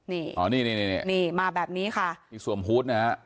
นี่มาแบบนี้ค่ะส่วมฮูตนะฮะ